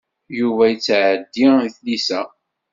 Yuba yettɛeddi i tlisa.